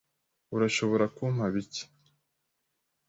Urashobora kumpa bike?